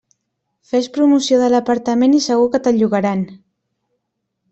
Fes promoció de l'apartament i segur que te'l llogaran.